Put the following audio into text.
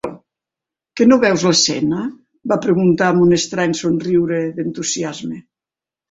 "Que no veus l'escena?", va preguntar amb un estrany somriure d'entusiasme.